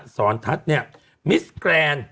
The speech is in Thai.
สอนทัศน์มิสแกรนด์